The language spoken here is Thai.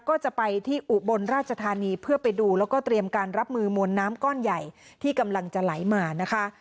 ก็จะไปที่อุบลราชธานีเพื่อไปดูแล้วก็เตรียมการรับมือมวลน้ำก้อนใหญ่ที่กำลังจะไหลมานะคะ